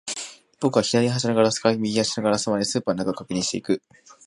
僕は左端のガラスから右端のガラスまで、スーパーの中を確認していく